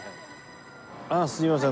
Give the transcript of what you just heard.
ああすいません。